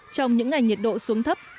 trong những ngày nhiệt độ xuống thấp